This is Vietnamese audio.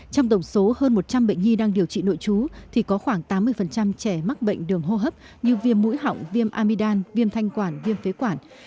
trong tổng số hơn một trăm linh bệnh nhi đang điều trị nội trú thì có khoảng tám mươi trẻ mắc bệnh đường hô hấp như viêm mũi họng viêm amidam viêm thanh quản viêm phế quản